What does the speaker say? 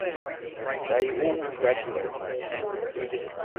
They all graduated.